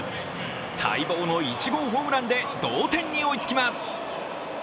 待望の１号ホームランで同点に追いつきます。